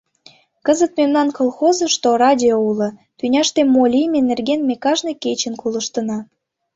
Кызыт мемнан колхозышто радио уло: тӱняште мо лийме нерген ме кажне кечын колыштына.